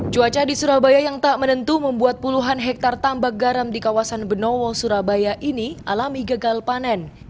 cuaca di surabaya yang tak menentu membuat puluhan hektare tambak garam di kawasan benowo surabaya ini alami gagal panen